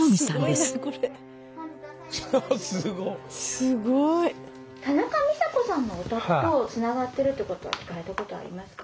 すごい！田中美佐子さんのお宅とつながってるってことは聞かれたことありますか？